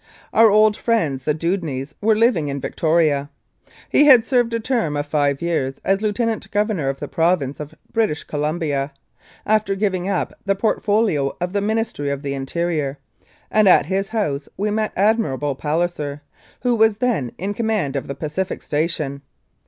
Our old friends the Dewdneys were living in Victoria. He had served a term of five years as Lieutenant Governor of the Province of British Columbia, after giving up the port folio of the Ministry of the Interior, and at his house we met Admiral Palliser, who was then in command of the Pacific Station.